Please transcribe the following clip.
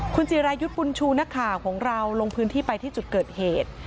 คุณจิรายุทธ์บุญชูนักข่าวของเราลงพื้นที่ไปที่จุดเกิดเหตุ